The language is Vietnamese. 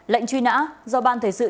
lệnh truy nã do ban thể sự